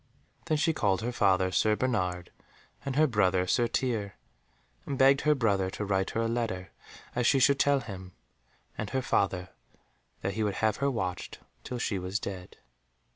Then she called her father Sir Bernard, and her brother Sir Tirre, and begged her brother to write her a letter as she should tell him, and her father that he would have her watched till she was dead.